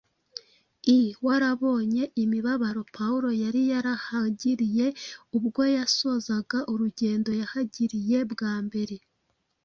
i warabonye imibabaro Pawulo yari yarahagiriye ubwo yasozaga urugendo yahagiriye bwa mbere.